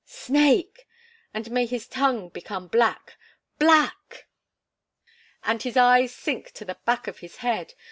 "Snake!" "And may his tongue become black!" "Black!" "And his eyes sink to the back of his head!"